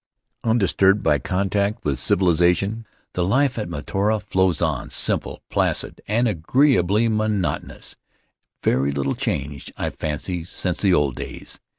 Undis turbed by contact with civilization, the life of Mataora Sows on — simple, placid, and agreeably monotonous — very little changed, I fancy, since the old days.